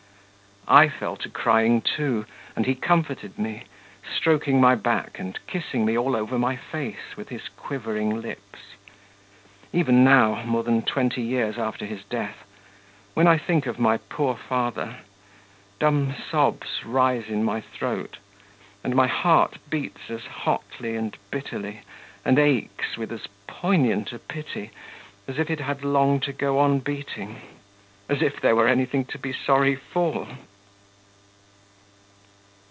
I fell to crying, too, and he comforted me, stroking my back and kissing me all over my face with his quivering lips. Even now, more than twenty years after his death, when I think of my poor father, dumb sobs rise into my throat, and my heart beats as hotly and bitterly and aches with as poignant a pity as if it had long to go on beating, as if there were anything to be sorry for!